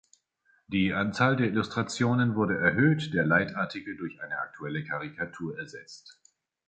Die Anzahl der Illustrationen wurden erhöht, der Leitartikel durch eine aktuelle Karikatur ersetzt.